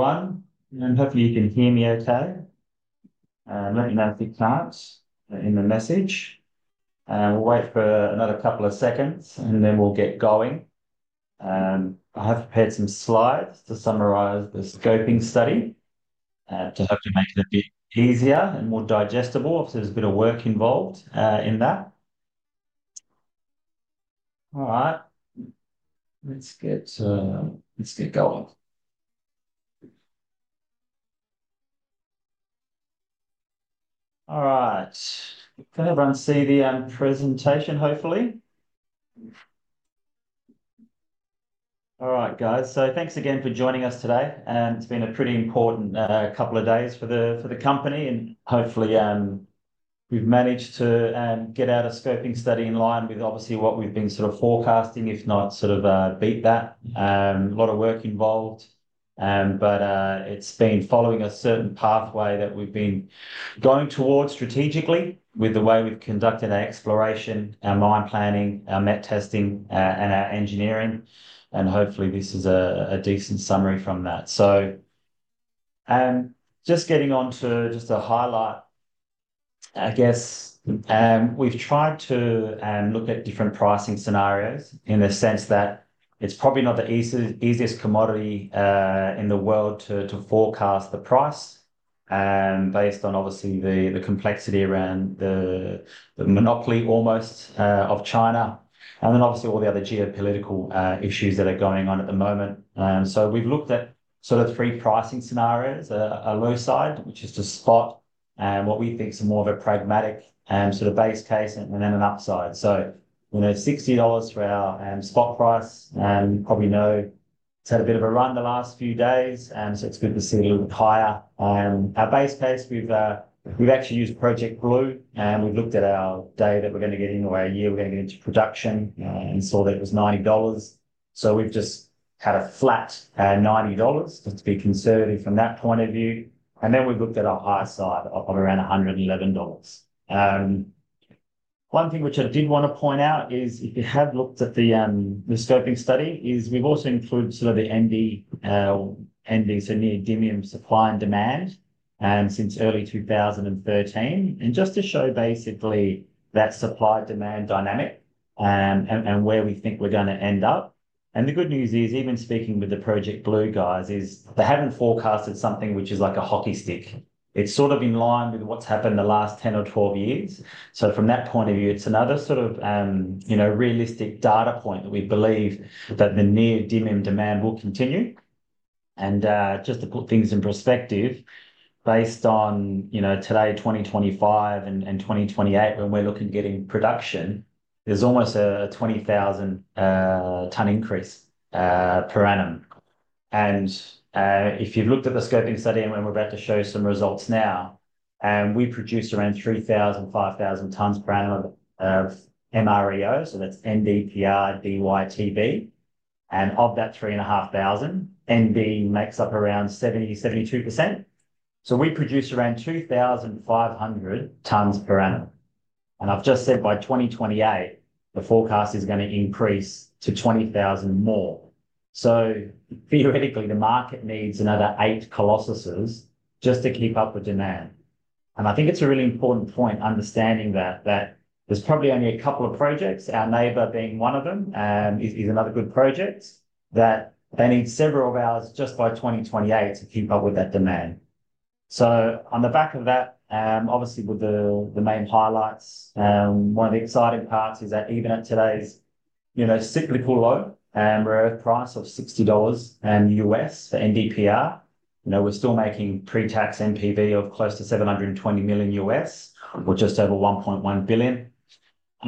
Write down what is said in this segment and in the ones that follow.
Everyone, I'm hoping you can hear me okay. Let me know if you can't in the message. We'll wait for another couple of seconds, and then we'll get going. I have prepared some slides to summarize the Scoping Study to hopefully make it a bit easier and more digestible if there's a bit of work involved in that. All right, let's get going. All right, can everyone see the presentation, hopefully? All right, guys, thanks again for joining us today. It's been a pretty important couple of days for the company, and hopefully we've managed to get out a Scoping Study in line with, obviously, what we've been sort of forecasting, if not sort of beat that. A lot of work involved, but it's been following a certain pathway that we've been going towards strategically with the way we've conducted our exploration, our mine planning, our MET testing, and our engineering. Hopefully this is a decent summary from that. Just getting on to just a highlight, I guess, we've tried to look at different pricing scenarios in the sense that it's probably not the easiest commodity in the world to forecast the price based on, obviously, the complexity around the monopoly almost of China and then, obviously, all the other geopolitical issues that are going on at the moment. We've looked at sort of three pricing scenarios: a low side, which is to spot what we think is more of a pragmatic sort of base case, and then an upside. $60 for our spot price, probably know it's had a bit of a run the last few days, so it's good to see it a little bit higher. Our base case, we've actually used Project Blue, and we've looked at our day that we're going to get in or our year we're going to get into production and saw that it was $9. We've just had a flat $90, just to be conservative from that point of view. We've looked at our higher side of around $111. One thing which I did want to point out is if you have looked at the Scoping Study, we've also included sort of the ND, so neodymium supply and demand, since early 2013, and just to show basically that supply-demand dynamic and where we think we're going to end up. The good news is, even speaking with the Project Blue guys, they haven't forecasted something which is like a hockey stick. It's sort of in line with what's happened the last 10 or 12 years. From that point of view, it's another sort of realistic data point that we believe that the neodymium demand will continue. Just to put things in perspective, based on today, 2025 and 2028, when we're looking at getting production, there's almost a 20,000 tonne increase per annum. If you've looked at the Scoping Study, and we're about to show some results now, we produce around 3,000-5,000 tonnes per annum of MREO, so that's NdPr, DyTb. Of that 3,500, Nd makes up around 70-72%. We produce around 2,500 tonnes per annum. I've just said by 2028, the forecast is going to increase to 20,000 more. Theoretically, the market needs another eight Colossuses just to keep up with demand. I think it's a really important point understanding that there's probably only a couple of projects, our neighbor being one of them, is another good project, that they need several of ours just by 2028 to keep up with that demand. On the back of that, obviously, with the main highlights, one of the exciting parts is that even at today's cyclical low, we're at a price of $60 US for NdPr. We're still making pre-tax NPV of close to $720 million US, or just over $1.1 billion.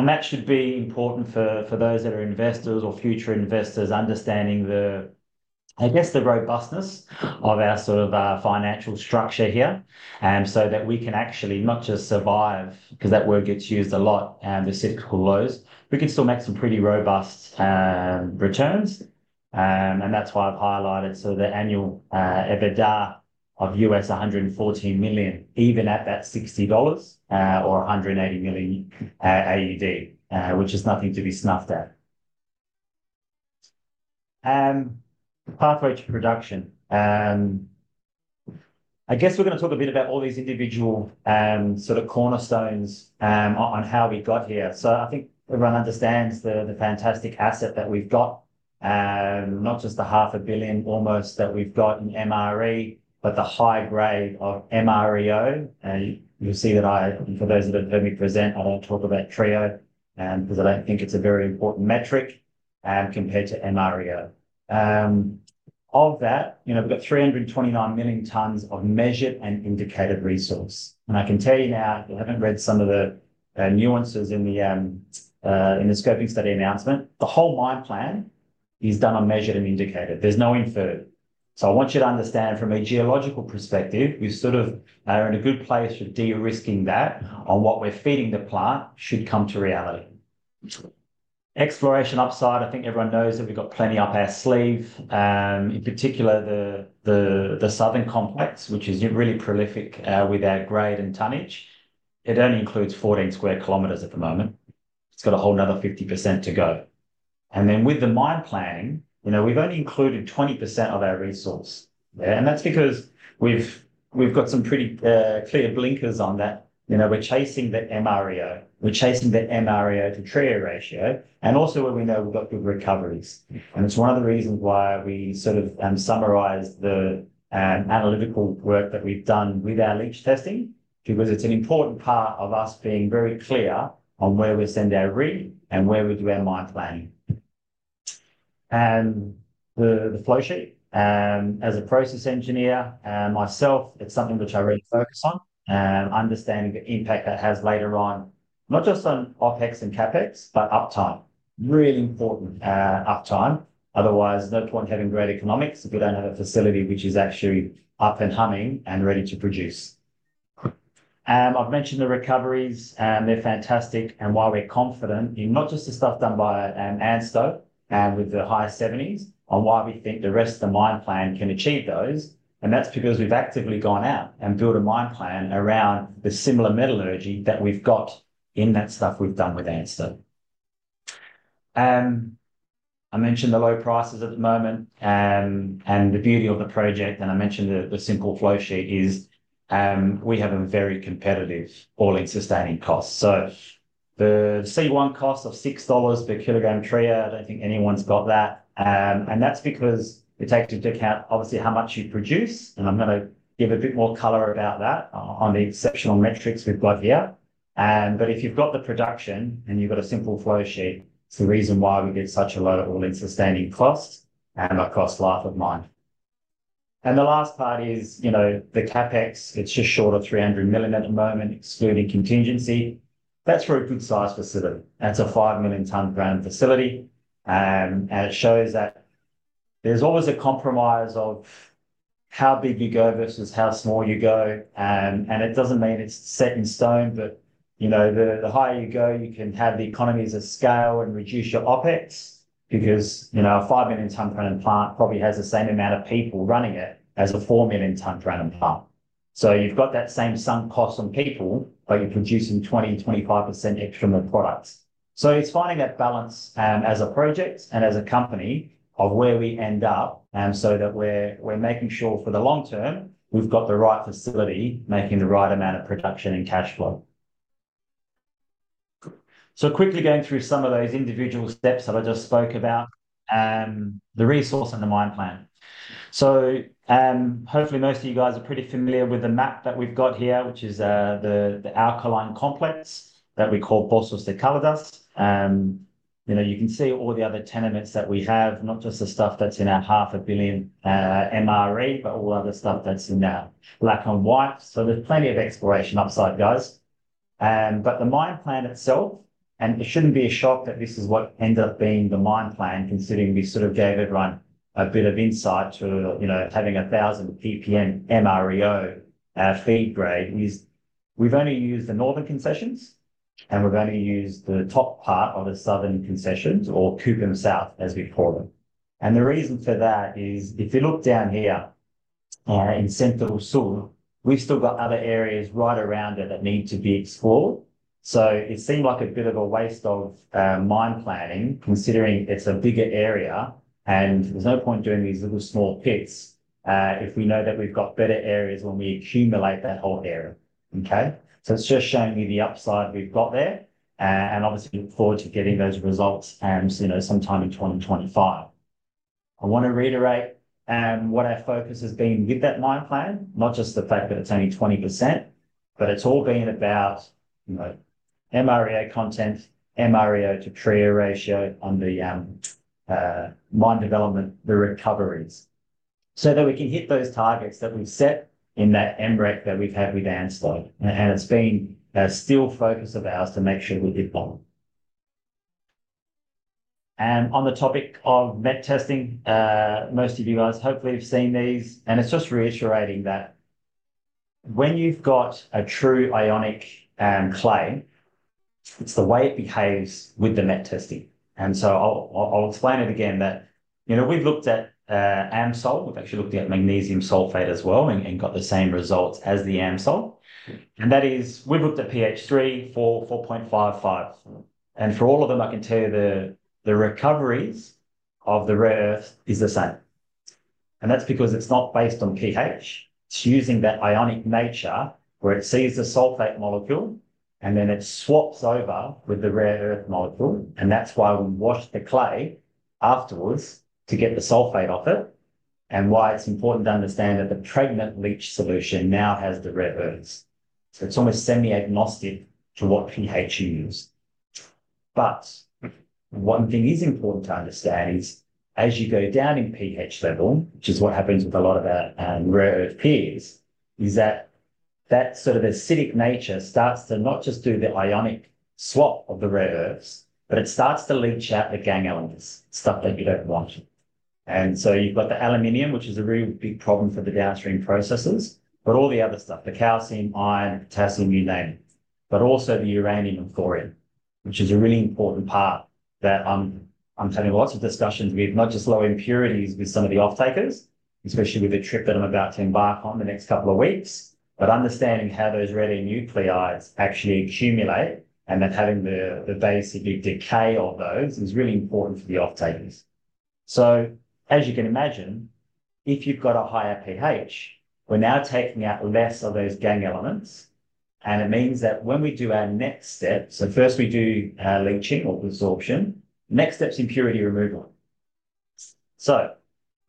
That should be important for those that are investors or future investors understanding, I guess, the robustness of our sort of financial structure here so that we can actually not just survive, because that word gets used a lot, the cyclical lows, we can still make some pretty robust returns. That is why I have highlighted sort of the annual EBITDA of $114 million, even at that $60 or 180 million AUD, which is nothing to be snuffed at. Pathway to production. I guess we are going to talk a bit about all these individual sort of cornerstones on how we got here. I think everyone understands the fantastic asset that we have got, not just the $500 million almost that we have got in MRE, but the high grade of MREO. You'll see that I, for those that have heard me present, I don't talk about TREO because I don't think it's a very important metric compared to MREO. Of that, we've got 329 million tonnes of measured and indicated resource. I can tell you now, if you haven't read some of the nuances in the Scoping Study announcement, the whole mine plan is done on measured and indicated. There's no inferred. I want you to understand from a geological perspective, we sort of are in a good place for de-risking that on what we're feeding the plant should come to reality. Exploration upside, I think everyone knows that we've got plenty up our sleeve. In particular, the southern complex, which is really prolific with our grade and tonnage, it only includes 14 sq km at the moment. It's got a whole another 50% to go. With the mine planning, we've only included 20% of our resource. That is because we've got some pretty clear blinkers on that. We're chasing the MREO. We're chasing the MREO to TREO ratio. We also know we've got good recoveries. It is one of the reasons why we sort of summarize the analytical work that we've done with our leach testing, because it is an important part of us being very clear on where we send our rig and where we do our mine planning. The flow sheet, as a process engineer myself, is something which I really focus on, understanding the impact that has later on, not just on OpEx and CapEx, but uptime. Really important uptime. Otherwise, no point having great economics if we do not have a facility which is actually up and humming and ready to produce. I've mentioned the recoveries. They're fantastic. Why we're confident in not just the stuff done by ANSTO with the high 70s on why we think the rest of the mine plan can achieve those is because we've actively gone out and built a mine plan around the similar metallurgy that we've got in that stuff we've done with ANSTO. I mentioned the low prices at the moment and the beauty of the project. I mentioned the simple flowsheet is we have a very competitive all-in sustaining cost. The C1 cost of $6 per kilogram TREO, I do not think anyone's got that. That is because it takes into account, obviously, how much you produce. I'm going to give a bit more color about that on the exceptional metrics we've got here. If you've got the production and you've got a simple flow sheet, it's the reason why we get such a low all-in sustaining cost and our cost life of mine. The last part is the CapEx. It's just short of $300 million at the moment, excluding contingency. That's for a good-sized facility. That's a 5 million-tonne ground facility. It shows that there's always a compromise of how big you go versus how small you go. It doesn't mean it's set in stone, but the higher you go, you can have the economies of scale and reduce your OpEx because a 5 million-tonne ground plant probably has the same amount of people running it as a 4 million-tonne ground plant. You've got that same sunk cost on people, but you're producing 20-25% extra more product. It's finding that balance as a project and as a company of where we end up so that we're making sure for the long term we've got the right facility making the right amount of production and cash flow. Quickly going through some of those individual steps that I just spoke about, the resource and the mine plan. Hopefully most of you guys are pretty familiar with the map that we've got here, which is the alkaline complex that we call Poços de Caldas. You can see all the other tenements that we have, not just the stuff that's in our $500 million MRE, but all other stuff that's in our black and white. There's plenty of exploration upside, guys. The mine plan itself, and it shouldn't be a shock that this is what ended up being the mine plan, considering we sort of gave everyone a bit of insight to having a 1,000 ppm MREO feed grade, is we've only used the northern concessions, and we've only used the top part of the southern concessions or Cupim South, as we call them. The reason for that is if you look down here in Central-Sul, we've still got other areas right around it that need to be explored. It seemed like a bit of a waste of mine planning, considering it's a bigger area, and there's no point doing these little small pits if we know that we've got better areas when we accumulate that whole area. Okay? It's just showing you the upside we've got there, and obviously look forward to getting those results sometime in 2025. I want to reiterate what our focus has been with that mine plan, not just the fact that it's only 20%, but it's all been about MREO content, MREO to TREO ratio on the mine development, the recoveries, so that we can hit those targets that we've set in that MREC that we've had with ANSTO. It's been a still focus of ours to make sure we hit them. On the topic of MET testing, most of you guys hopefully have seen these. It's just reassuring that when you've got a true ionic clay, it's the way it behaves with the MET testing. I'll explain it again that we've looked at ANSTO. We've actually looked at magnesium sulfate as well and got the same results as the AmSul. That is, we've looked at pH 3, 4, 4.5, 5. For all of them, I can tell you the recoveries of the rare earth is the same. That's because it's not based on pH. It's using that ionic nature where it sees the sulfate molecule, and then it swaps over with the rare earth molecule. That's why we wash the clay afterwards to get the sulfate off it. It's important to understand that the pregnant leach solution now has the rare earths. It's almost semi-agnostic to what pH you use. One thing that is important to understand is as you go down in pH level, which is what happens with a lot of our rare earth peers, that sort of acidic nature starts to not just do the ionic swap of the rare earths, but it starts to leach out the gangue elements, stuff that you do not want. You've got the aluminium, which is a real big problem for the downstream processes, but all the other stuff, the calcium, iron, potassium, you name it, but also the uranium and thorium, which is a really important part that I'm having lots of discussions with, not just low impurities with some of the off-takers, especially with the trip that I'm about to embark on the next couple of weeks, but understanding how those radionuclides actually accumulate and that having the basically decay of those is really important for the off-takers. As you can imagine, if you've got a higher pH, we're now taking out less of those gang elements. It means that when we do our next step, first we do leaching or absorption, next step's impurity removal.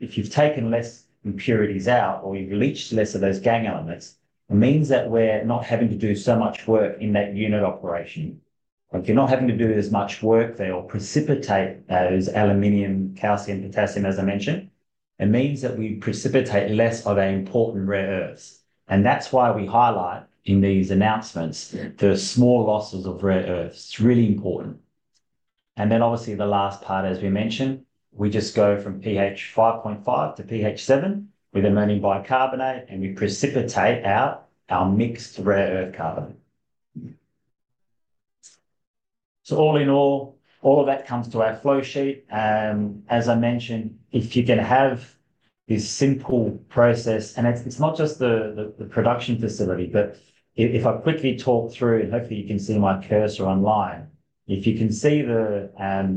If you've taken less impurities out or you've leached less of those gang elements, it means that we're not having to do so much work in that unit operation. If you're not having to do as much work, they'll precipitate those aluminium, calcium, potassium, as I mentioned. It means that we precipitate less of our important rare earths. That's why we highlight in these announcements the small losses of rare earths. It's really important. Obviously the last part, as we mentioned, we just go from pH 5.5 to pH 7 with ammonium bicarbonate, and we precipitate out our mixed rare earth carbonate. All in all, all of that comes to our flow sheet. As I mentioned, if you can have this simple process, and it's not just the production facility, but if I quickly talk through, and hopefully you can see my cursor online, if you can see the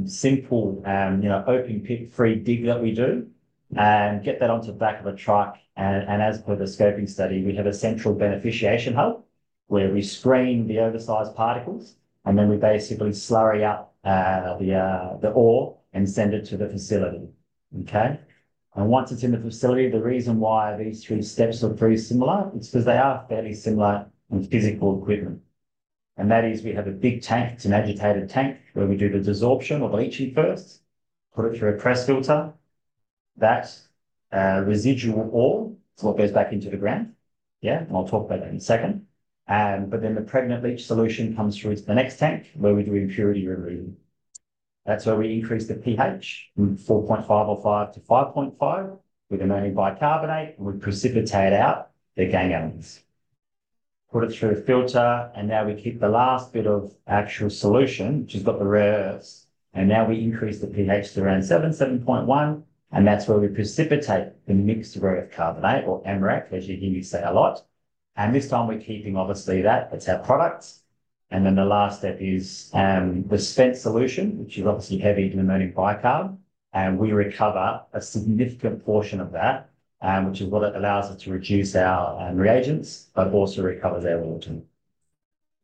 simple open pit free dig that we do and get that onto the back of a truck. As per the Scoping Study, we have a central beneficiation hub where we screen the oversized particles, and then we basically slurry up the ore and send it to the facility. Okay? Once it's in the facility, the reason why these three steps are very similar is because they are fairly similar in physical equipment. That is, we have a big tank. It's an agitated tank where we do the desorption or leaching first, put it through a press filter. That residual ore, it's what goes back into the ground. Yeah, and I'll talk about that in a second. The pregnant leach solution comes through to the next tank where we do impurity removal. That's where we increase the pH from 4.505 to 5.5 with ammonium bicarbonate, and we precipitate out the gang elements. Put it through a filter, and now we keep the last bit of actual solution, which has got the rare earths. Now we increase the pH to around 7, 7.1, and that's where we precipitate the mixed rare earth carbonate or MREC, as you hear me say a lot. This time we're keeping, obviously, that. It's our product. The last step is the spent solution, which is obviously heavy in ammonium bicarb. We recover a significant portion of that, which is what allows us to reduce our reagents, but also recovers our water.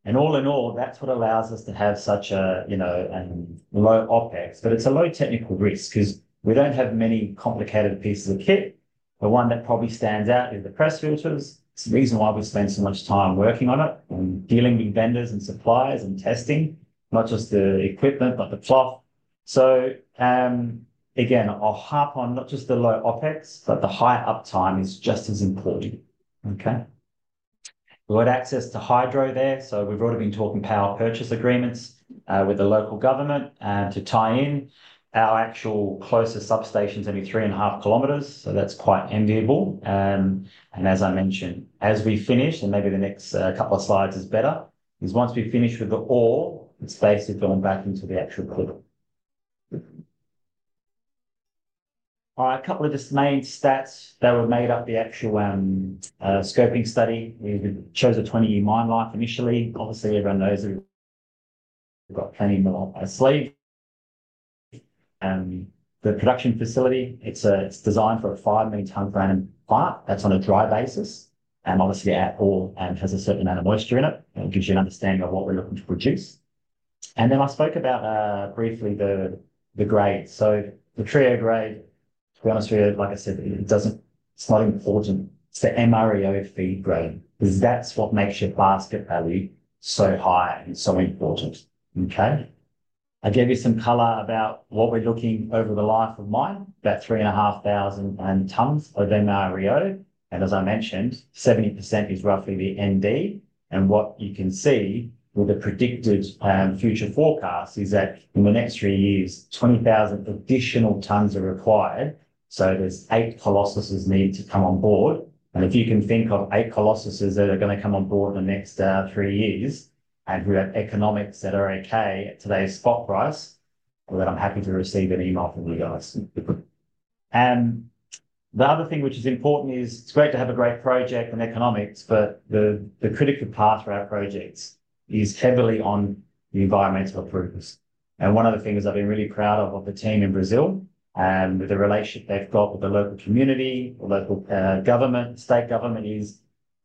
All in all, that's what allows us to have such a low OpEx. It's a low technical risk because we don't have many complicated pieces of kit. The one that probably stands out is the press filters. It's the reason why we spend so much time working on it and dealing with vendors and suppliers and testing, not just the equipment, but the cloth. Again, I'll harp on not just the low OpEx, but the high uptime is just as important. We've got access to hydro there. We've already been talking power purchase agreements with the local government to tie in our actual closest substations every three and a half kilometres. That's quite enviable. As I mentioned, as we finish, and maybe the next couple of slides is better, once we finish with the ore, it's basically going back into the actual equipment. All right, a couple of just main stats that were made up the actual Scoping Study. We chose a 20-year mine life initially. Obviously, everyone knows we've got plenty in the sleeve. The production facility, it's designed for a 5 million-tonne ground plant. That's on a dry basis. Obviously, our ore has a certain amount of moisture in it, which gives you an understanding of what we're looking to produce. I spoke about briefly the grade. The TREO grade, to be honest with you, like I said, it's not important. It's the MREO feed grade, because that's what makes your basket value so high and so important. Okay? I gave you some color about what we're looking over the life of mine, about 3,500 tonnes of MREO. As I mentioned, 70% is roughly the ND. What you can see with the predicted future forecast is that in the next three years, 20,000 additional tonnes are required. There are eight Colossuses that need to come on board. If you can think of eight Colossuses that are going to come on board in the next three years and who have economics that are okay at today's spot price, then I'm happy to receive an email from you guys. The other thing which is important is it's great to have a great project and economics, but the critical path for our projects is heavily on the environmental approvals. One of the things I've been really proud of with the team in Brazil and the relationship they've got with the local community, the local government, state government is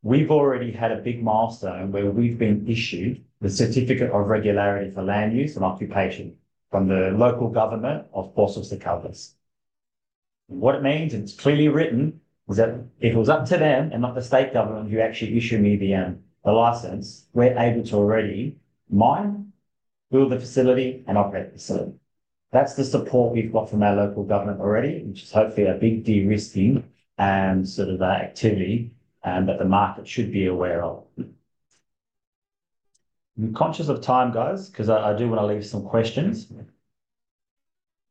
we've already had a big milestone where we've been issued the certificate of regularity for land use and occupation from the local government of Poços de Caldas. What it means, and it's clearly written, is that it was up to them and not the state government who actually issued me the license. We're able to already mine, build the facility, and operate the facility. That's the support we've got from our local government already, which is hopefully a big de-risking sort of activity that the market should be aware of. I'm conscious of time, guys, because I do want to leave some questions.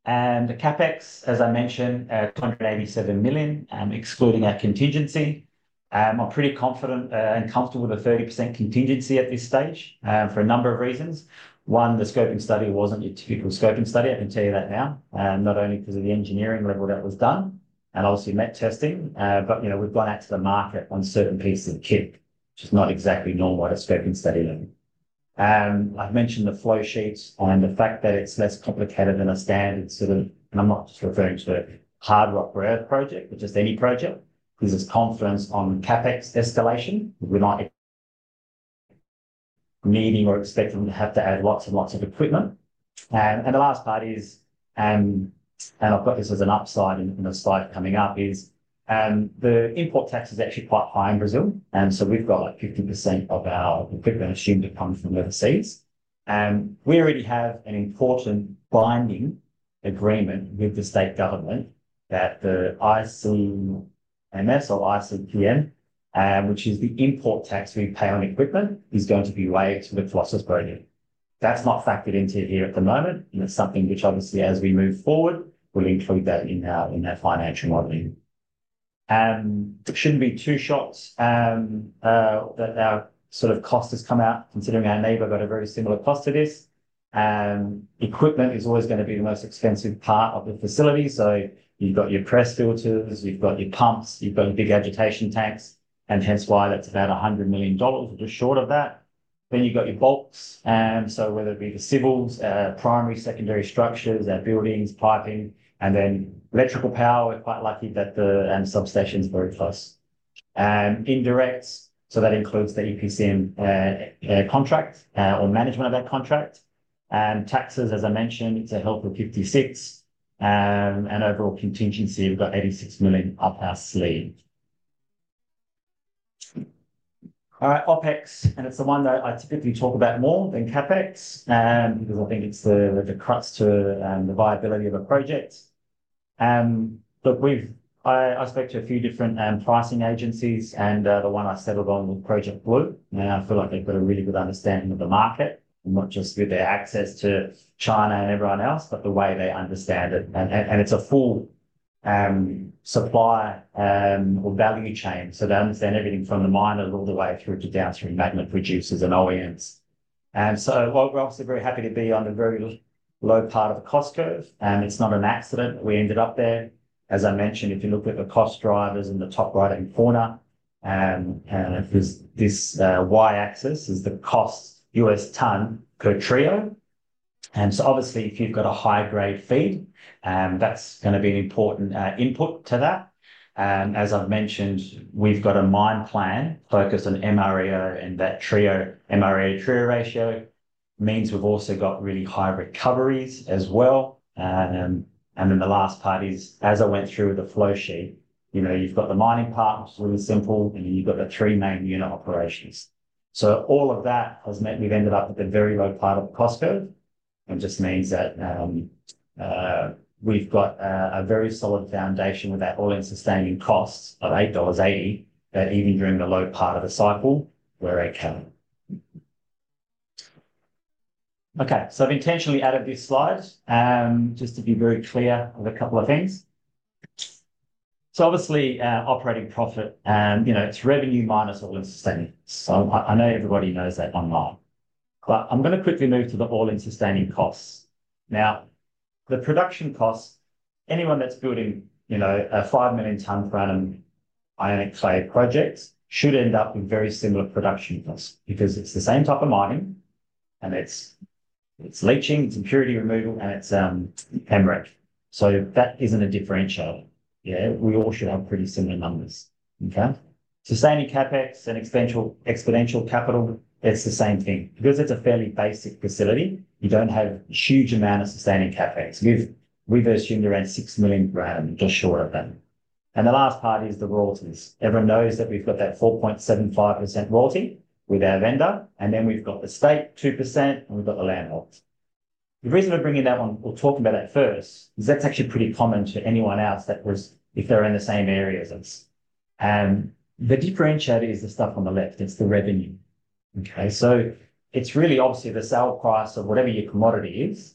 The CapEx, as I mentioned, is $287 million, excluding our contingency. I'm pretty confident and comfortable with a 30% contingency at this stage for a number of reasons. One, the Scoping Study wasn't your typical Scoping Study. I can tell you that now, not only because of the engineering level that was done and obviously MET testing, but we've gone out to the market on certain pieces of kit, which is not exactly normal at a Scoping Study level. I've mentioned the flow sheets and the fact that it's less complicated than a standard sort of, and I'm not just referring to a hard rock rare earth project, but just any project, because there's confidence on CapEx escalation. We're not needing or expecting them to have to add lots and lots of equipment. The last part is, and I've got this as an upside in the slide coming up, the import tax is actually quite high in Brazil. We've got like 50% of our equipment assumed to come from overseas. We already have an important binding agreement with the state government that the ICMS or [ICPN], which is the import tax we pay on equipment, is going to be waived for the Colossus program. That's not factored into here at the moment. It's something which, obviously, as we move forward, we'll include that in our financial modeling. It shouldn't be two shots that our sort of cost has come out, considering our neighbor got a very similar cost to this. Equipment is always going to be the most expensive part of the facility. You've got your press filters, you've got your pumps, you've got your big agitation tanks, and hence why that's about $100 million, which is short of that. You've got your bulks. Whether it be the civils, primary, secondary structures, our buildings, piping, and then electrical power, we're quite lucky that the substation is very close. Indirects, so that includes the EPCM contract or management of that contract. Taxes, as I mentioned, it's a health of 56. Overall contingency, we've got $86 million up our sleeve. All right, OpEx, and it's the one that I typically talk about more than CapEx because I think it's the crutch to the viability of a project. I spoke to a few different pricing agencies, and the one I settled on was Project Blue. I feel like they've got a really good understanding of the market, not just with their access to China and everyone else, but the way they understand it. It's a full supply or value chain. They understand everything from the miners all the way through to downstream magnet producers and OEMs. We are obviously very happy to be on the very low part of the cost curve. It is not an accident that we ended up there. As I mentioned, if you look at the cost drivers in the top right-hand corner, this y-axis is the cost US dollar ton per TREO. Obviously, if you have a high-grade feed, that is going to be an important input to that. As I have mentioned, we have a mine plan focused on MREO and that MREO-TREO ratio. That means we also have really high recoveries as well. The last part is, as I went through with the flowsheet, you have the mining part, which is really simple, and then you have the three main unit operations. All of that has meant we've ended up at the very low part of the cost curve, which just means that we've got a very solid foundation without all-in sustaining costs of $8.80 that even during the low part of the cycle, we're okay. Okay, I've intentionally added this slide just to be very clear of a couple of things. Obviously, operating profit, it's revenue minus all-in sustaining. I know everybody knows that online. I'm going to quickly move to the all-in sustaining costs. Now, the production costs, anyone that's building a 5 million tonne per annum ionic clay project should end up with very similar production costs because it's the same type of mining, and it's leaching, it's impurity removal, and it's MREC. That isn't a differential. We all should have pretty similar numbers. Okay? Sustaining CapEx and exponential capital, it's the same thing. Because it's a fairly basic facility, you don't have a huge amount of sustaining CapEx. We've assumed around $6 million, just short of that. The last part is the royalties. Everyone knows that we've got that 4.75% royalty with our vendor, and then we've got the state 2%, and we've got the landlords. The reason we're bringing that on, we'll talk about that first, is that's actually pretty common to anyone else that was if they're in the same area as us. The differentiator is the stuff on the left. It's the revenue. Okay? It's really obviously the sale price of whatever your commodity is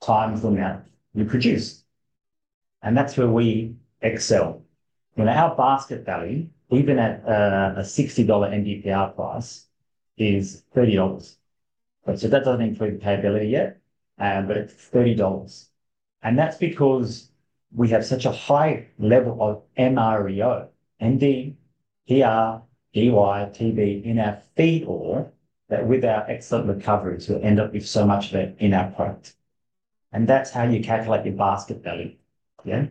times the amount you produce. That's where we excel. Our basket value, even at a $60 NdPr price, is $30. That doesn't include payability yet, but it's $30. That is because we have such a high level of MREO, ND, PR, DY, TB in our feed ore that with our excellent recoveries, we will end up with so much of it in our product. That is how you calculate your basket value, yeah?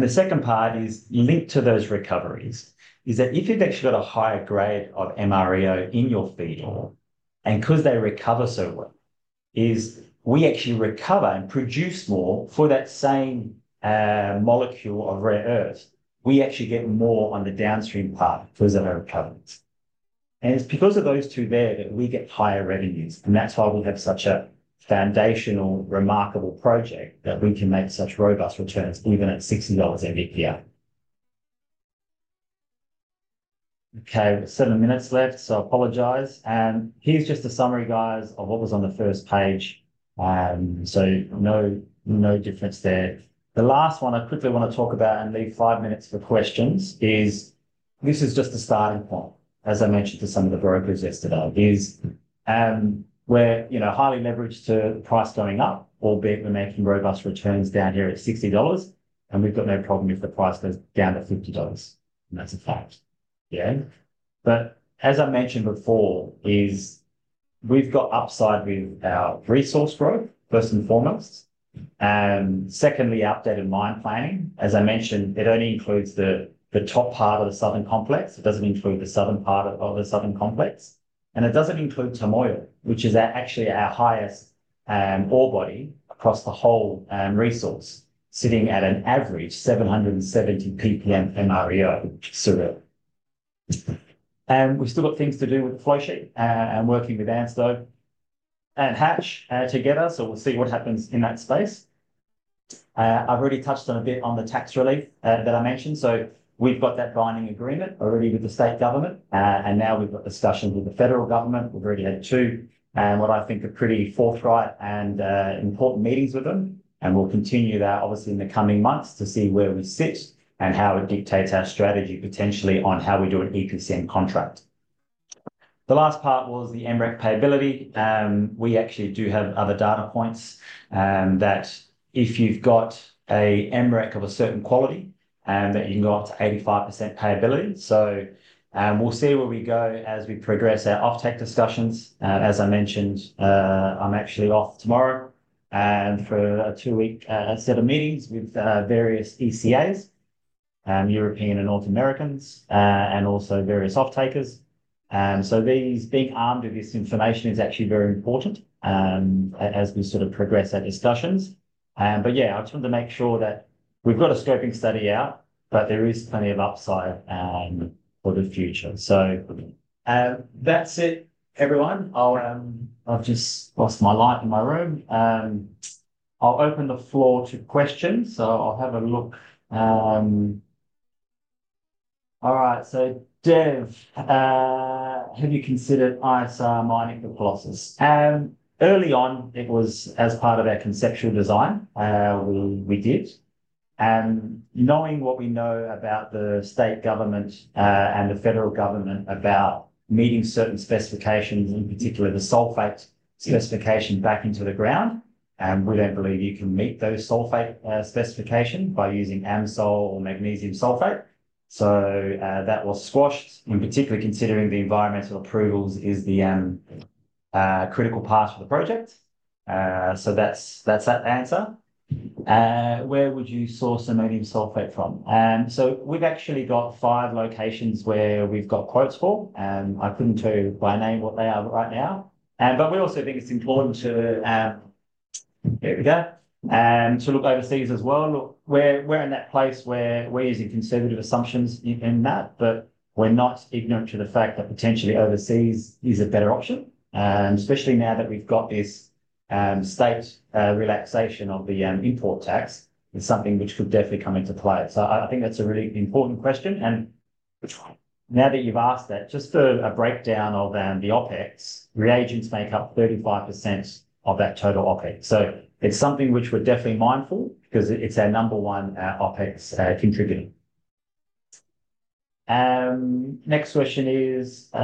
The second part is linked to those recoveries, which is that if you have actually got a higher grade of MREO in your feed ore, and because they recover so well, we actually recover and produce more for that same molecule of rare earth. We actually get more on the downstream part because of our recoveries. It is because of those two there that we get higher revenues. That is why we have such a foundational, remarkable project that we can make such robust returns even at $60 NdPr. Okay, we have seven minutes left, so I apologize. Here's just a summary, guys, of what was on the first page. No difference there. The last one I quickly want to talk about and leave five minutes for questions is this is just a starting point, as I mentioned to some of the brokers yesterday, we're highly leveraged to price going up, albeit we're making robust returns down here at $60, and we've got no problem if the price goes down to $50. That's a fact, yeah? As I mentioned before, we've got upside with our resource growth, first and foremost. Secondly, outdated mine planning. As I mentioned, it only includes the top part of the southern complex. It doesn't include the southern part of the southern complex. It does not include Tamoyo, which is actually our highest ore body across the whole resource, sitting at an average 770 ppm MREO, which is surreal. We have still got things to do with the flow sheet and working with ANSTO and Hatch together. We will see what happens in that space. I have already touched on a bit on the tax relief that I mentioned. We have that binding agreement already with the state government. Now we have discussions with the federal government. We have already had two, what I think are pretty forthright and important meetings with them. We will continue that, obviously, in the coming months to see where we sit and how it dictates our strategy potentially on how we do an EPCM contract. The last part was the MREC payability. We actually do have other data points that if you've got an MREC of a certain quality, that you've got 85% payability. We'll see where we go as we progress our off-take discussions. As I mentioned, I'm actually off tomorrow for a two-week set of meetings with various ECAs, European and North Americans, and also various off-takers. Being armed with this information is actually very important as we sort of progress our discussions. I just wanted to make sure that we've got a Scoping Study out, but there is plenty of upside for the future. That's it, everyone. I've just lost my light in my room. I'll open the floor to questions. I'll have a look. All right, so Dev, have you considered ISR mining for Colossus? Early on, it was as part of our conceptual design. We did. Knowing what we know about the state government and the federal government about meeting certain specifications, in particular the sulfate specification back into the ground, we don't believe you can meet those sulfate specifications by using AmSul or magnesium sulfate. That was squashed, in particular considering the environmental approvals is the critical part of the project. That is that answer. Where would you source the medium sulfate from? We've actually got five locations where we've got quotes for. I couldn't tell you by name what they are right now. We also think it's important to, here we go, to look overseas as well. We're in that place where we're using conservative assumptions in that, but we're not ignorant to the fact that potentially overseas is a better option, especially now that we've got this state relaxation of the import tax. It's something which could definitely come into play. I think that's a really important question. Now that you've asked that, just for a breakdown of the OpEx, reagents make up 35% of that total OpEx. It's something which we're definitely mindful of because it's our number one OpEx contributor. Next question is, who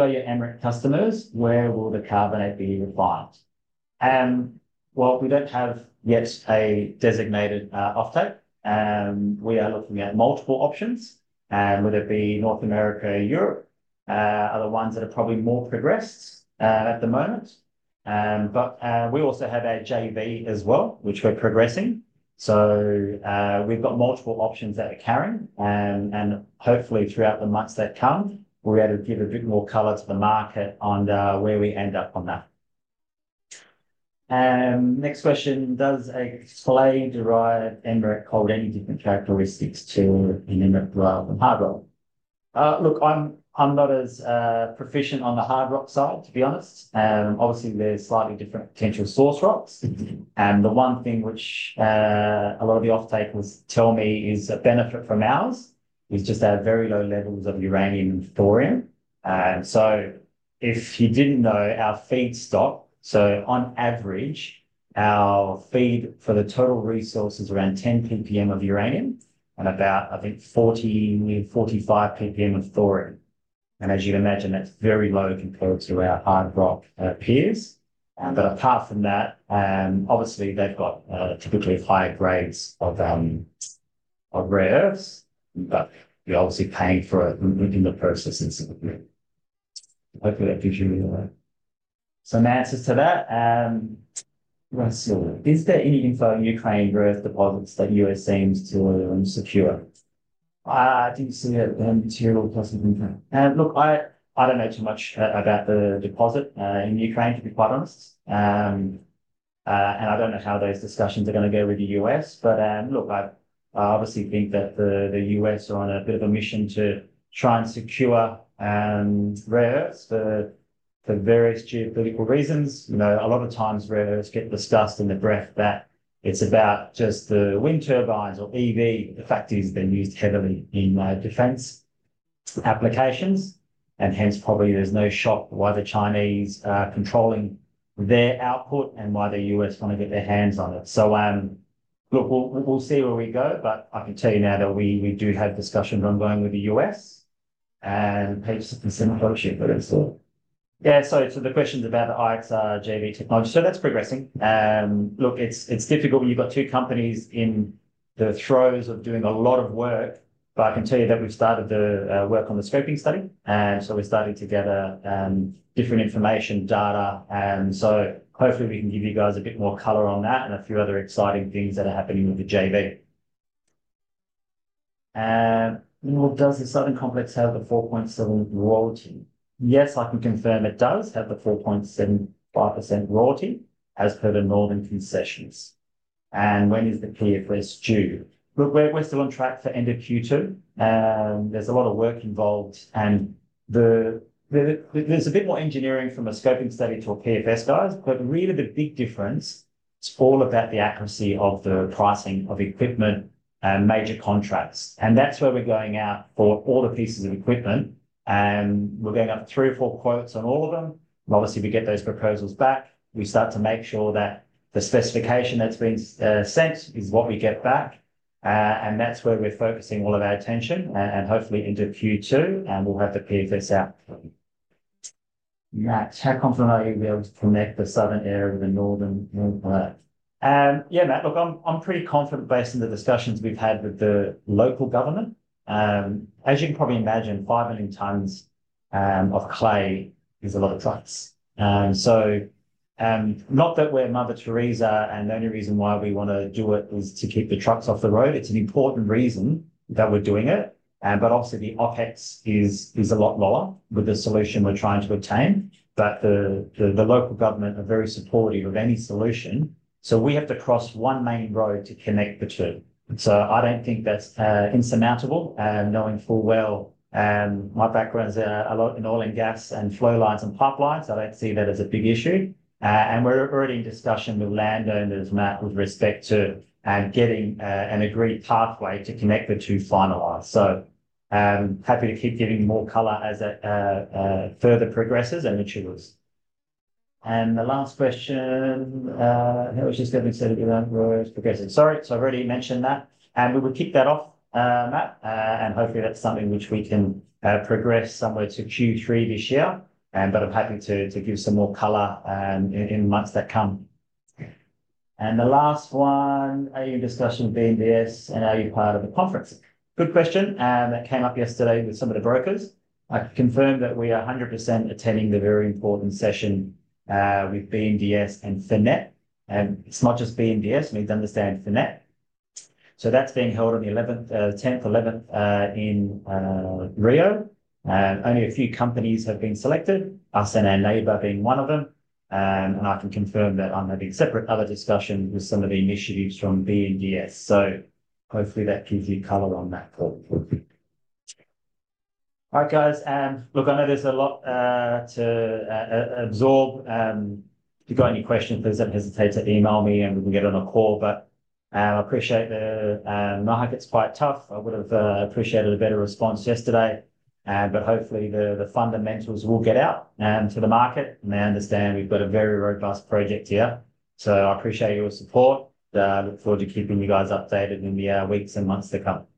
are your MREC customers? Where will the carbonate be required? We don't have yet a designated off-take. We are looking at multiple options. Would it be North America, Europe? Those are the ones that are probably more progressed at the moment. We also have our JV as well, which we're progressing. We've got multiple options that are carrying. Hopefully, throughout the months that come, we'll be able to give a bit more color to the market on where we end up on that. Next question, does a clay-derived MREC hold any different characteristics to an MREC derived from hard rock? Look, I'm not as proficient on the hard rock side, to be honest. Obviously, they're slightly different potential source rocks. The one thing which a lot of the off-takers tell me is a benefit from ours is just our very low levels of uranium and thorium. If you didn't know, our feed stock, so on average, our feed for the total resource is around 10 ppm of uranium and about, I think, 40-45 ppm of thorium. As you can imagine, that's very low compared to our hard rock peers. Apart from that, obviously, they've got typically higher grades of rare earths, but we're obviously paying for it in the processes. Hopefully, that gives you an answer to that. Is there any info on Ukraine rare earth deposits that the US aims to secure? I didn't see that material plus info. Look, I don't know too much about the deposit in Ukraine, to be quite honest. I don't know how those discussions are going to go with the US. Look, I obviously think that the US are on a bit of a mission to try and secure rare earths for various geopolitical reasons. A lot of times, rare earths get discussed in the breadth that it's about just the wind turbines or EV. The fact is they're used heavily in defense applications. Hence, probably there's no shock why the Chinese are controlling their output and why the US want to get their hands on it. Look, we'll see where we go. I can tell you now that we do have discussions ongoing with the U.S. I'll just send a photo sheet for this. Yeah, the questions about the ISR JV technology. That's progressing. Look, it's difficult. You've got two companies in the throes of doing a lot of work. I can tell you that we've started the work on the Scoping Study. We're starting to gather different information, data. Hopefully, we can give you guys a bit more color on that and a few other exciting things that are happening with the JV. Does the southern complex have the 4.7 royalty? Yes, I can confirm it does have the 4.75% royalty as per the northern concessions. When is the PFS due? Look, we're still on track for end of Q2. There's a lot of work involved. There's a bit more engineering from a Scoping Study to a PFS, guys. Really, the big difference is all about the accuracy of the pricing of equipment and major contracts. That's where we're going out for all the pieces of equipment. We're going up three or four quotes on all of them. Obviously, we get those proposals back. We start to make sure that the specification that's been sent is what we get back. That's where we're focusing all of our attention. Hopefully, into Q2, we'll have the PFS out. Matt, how confident are you to be able to connect the southern area with the northern? Yeah, Matt, look, I'm pretty confident based on the discussions we've had with the local government. As you can probably imagine, 5 million tons of clay is a lot of trucks. Not that we're Mother Teresa and the only reason why we want to do it is to keep the trucks off the road. It's an important reason that we're doing it. Obviously, the OpEx is a lot lower with the solution we're trying to obtain. The local government are very supportive of any solution. We have to cross one main road to connect the two. I don't think that's insurmountable. Knowing full well my background's in oil and gas and flow lines and pipelines, I don't see that as a big issue. We're already in discussion with landowners, Matt, with respect to getting an agreed pathway to connect the two final lines. Happy to keep giving more color as it further progresses and matures. The last question, I was just going to say that we're progressing. Sorry, I've already mentioned that. We will kick that off, Matt. Hopefully, that's something which we can progress somewhere to Q3 this year. I'm happy to give some more color in the months that come. The last one, are you in discussion with BNDES and are you part of the conference? Good question. That came up yesterday with some of the brokers. I can confirm that we are 100% attending the very important session with BNDES and FINEP. It's not just BNDES, we need to understand FINEP. That's being held on the 10th, 11th in Rio de Janeiro. Only a few companies have been selected, us and our neighbor being one of them. I can confirm that I'm having separate other discussions with some of the initiatives from BNDES. Hopefully, that gives you color on that. All right, guys. Look, I know there's a lot to absorb. If you've got any questions, please don't hesitate to email me and we can get on a call. I appreciate the market's quite tough. I would have appreciated a better response yesterday. Hopefully, the fundamentals will get out to the market. I understand we've got a very robust project here. I appreciate your support. Look forward to keeping you guys updated in the weeks and months to come.